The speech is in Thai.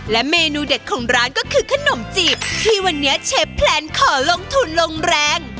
เมนูเด็ดของร้านก็คือขนมจีบที่วันนี้เชฟแพลนขอลงทุนลงแรง